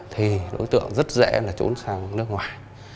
thì đối tượng rất dễ trốn sang nước ngoài